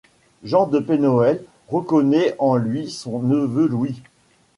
Jean de Penhoël reconnait en lui son neveu Louis.